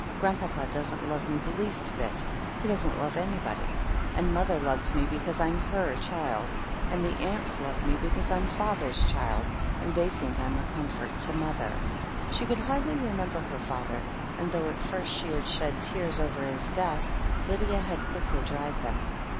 Grandpapa doesn't love me the least bit — ^he doesn't love anybody. And mother loves me because I'm her child, and the aunts love me because I'm father's child, and they think I'm a comfort to mother." She could hardly remember her father, and though at first she had shed tears over his death, Lydia had quickly dried them.